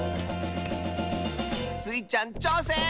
⁉スイちゃんちょうせん！